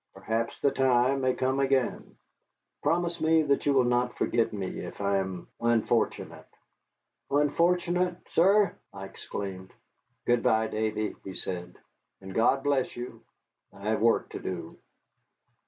Perhaps the time may come again. Promise me that you will not forget me if I am unfortunate." "Unfortunate, sir!" I exclaimed. "Good by, Davy," he said, "and God bless you. I have work to do."